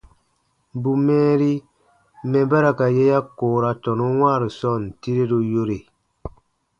Bù mɛɛri mɛ̀ ba ra ka yè ya koora tɔnun wãaru sɔɔn tireru yore.